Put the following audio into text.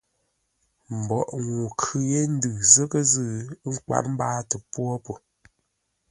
Mbwoghʼ ŋuu khʉ yé ndʉ zə́ghʼə́-zʉ́, ə́ nkwát mbáatə pwô po.